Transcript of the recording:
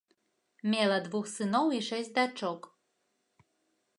Мела двух сыноў і шэсць дачок.